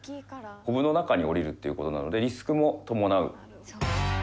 コブの中に降りるっていう事なのでリスクも伴う。